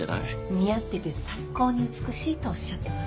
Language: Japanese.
「似合ってて最高に美しい」とおっしゃってます。